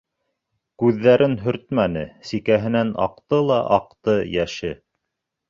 Күҙҙәрен һөртмәне, сикәһенән аҡты ла аҡты йәше.